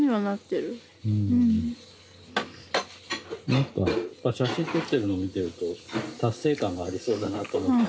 何か写真撮ってるのを見てると達成感がありそうだなと思って。